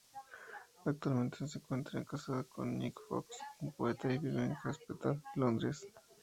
Actualmente se encuentra casada con Nick Fox, un poeta, y viven en Hampstead, Londres.